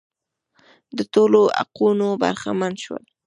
د ټولو حقونو برخمن شول.